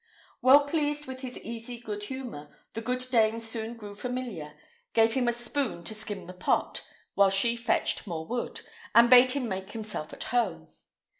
Well pleased with his easy good humour, the good dame soon grew familiar, gave him a spoon to skim the pot, while she fetched more wood, and bade him make himself at home.